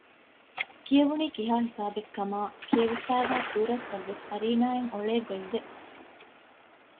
ކިޔެވުނީ ކިހާ ހިސާބެއްކަމާ ކިޔެވިފައިވާ ސޫރަތްތައްވެސް ފަރީނާއަށް އޮޅޭގޮތްވެ